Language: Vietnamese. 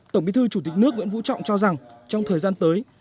tổng bí thư chủ tịch nước nguyễn vũ trọng cho rằng trong thời gian tới